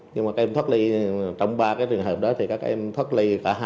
nhưng mà các em thoát ly trong ba cái trường hợp đó thì các em thoát ly cả hai